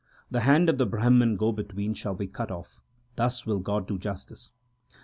The hand of the Brahman go between shall be cut off ; thus will God do justice.